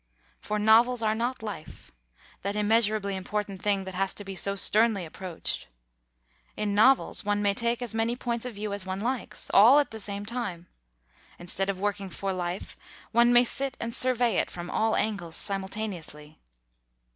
For novels are not life, that immeasurably important thing that has to be so sternly approached; in novels one may take as many points of view as one likes, all at the same time; instead of working for life, one may sit and survey it from all angles simultaneously.